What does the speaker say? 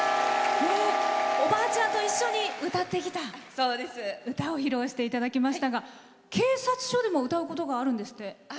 おばあちゃんと一緒に歌ってきた歌を披露していただきましたが警察署でも歌うことがあるんですって？